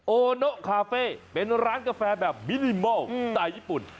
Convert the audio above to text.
โอโนคาเฟ่เป็นร้านกาแฟแบบมินิมอลสไตล์ญี่ปุ่น